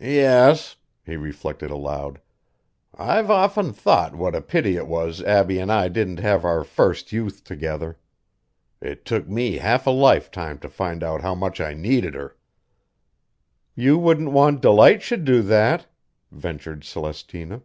"Yes," he reflected aloud, "I've often thought what a pity it was Abbie an' I didn't have our first youth together. It took me half a lifetime to find out how much I needed her." "You wouldn't want Delight should do that," ventured Celestina.